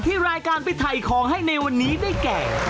รายการไปถ่ายของให้ในวันนี้ได้แก่